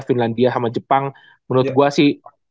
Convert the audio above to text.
finlandia sama jepang menurut gue sih